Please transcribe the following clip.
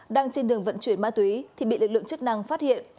đang trên đường vận chuyển ma túy thì bị lực lượng chức năng phát hiện